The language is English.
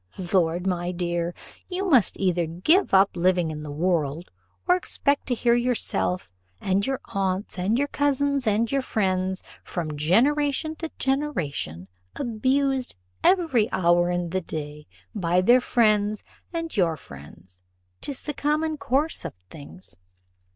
"Lord, my dear, you must either give up living in the world, or expect to hear yourself, and your aunts, and your cousins, and your friends, from generation to generation, abused every hour in the day by their friends and your friends; 'tis the common course of things.